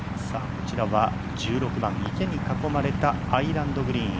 こちらは１６番、池に囲まれたアイランドグリーン。